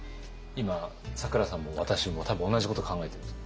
今咲楽さんも私も多分同じこと考えてるんです。